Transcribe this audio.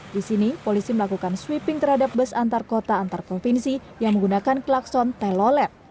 di sini polisi melakukan sweeping terhadap bus antar kota antar provinsi yang menggunakan klakson telolet